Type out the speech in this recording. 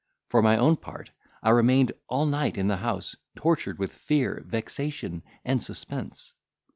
For my own part, I remained all night in the house, tortured with fear, vexation, and suspense.